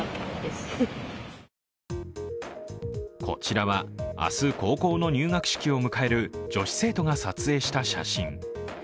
こちらは明日、高校の入学式を迎える女子生徒が撮影した写真。